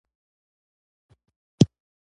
ما په سهار کې ستوماني ایستله